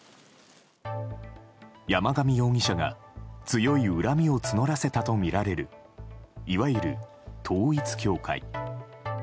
山上容疑者が強い恨みを募らせたとみられるいわゆる統一教会。